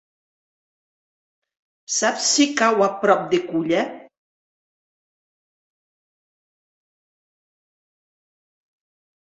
Saps si cau a prop de Culla?